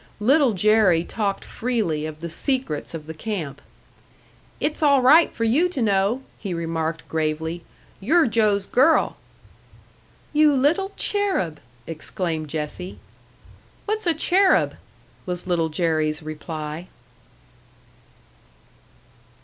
Little Jerry talked freely of the secrets of the camp. "It's all right for you to know," he remarked gravely. "You're Joe's girl!" "You little cherub!" exclaimed Jessie. "What's a cherub?" was Little Jerry's reply.